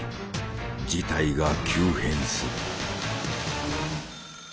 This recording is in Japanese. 事態が急変する。